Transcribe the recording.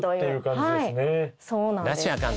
はいそうなんです。